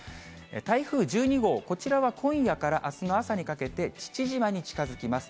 台風１２号、こちらは今夜からあすの朝にかけて、父島に近づきます。